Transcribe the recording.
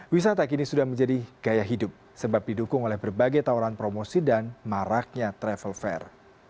wisata kini sudah menjadi gaya hidup sebab didukung oleh berbagai tawaran promosi dan maraknya travel fair